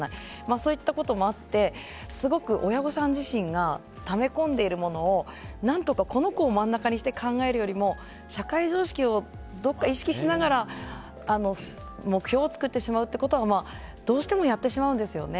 そういったこともあって親御さん自身がため込んでいるものを何とかこの子を真ん中にして考えるよりも社会常識をどこか意識しながら目標を作ってしまうってことはどうしてもやってしまうんですよね。